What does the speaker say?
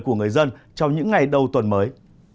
của người dân trong những ngày đầu tuần mới